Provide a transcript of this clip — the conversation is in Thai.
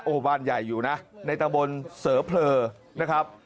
โอ้โหบ้านใหญ่อยู่นะในตะบนเสอเผลอนะครับ